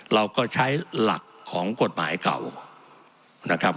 เราก็ใช้หลักของกฎหมายเก่านะครับ